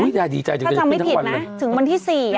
อุ๊ยดีใจจะขึ้นทั้งวันถ้าจำไม่ผิดนะถึงวันที่๔อ่ะ